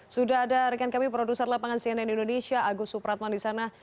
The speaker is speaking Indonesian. sudah ada rekan kami produser lapangan cnn indonesia agus supratman di sana